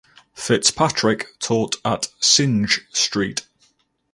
Fitzpatrick taught at Synge Street.